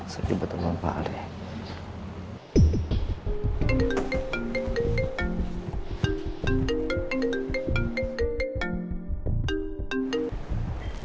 saya juga terlalu pahal deh